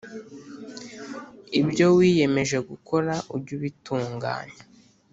Ibyo wiyemeje gukora ujye ubitunganya